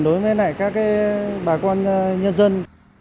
đối với các bà con nhân dân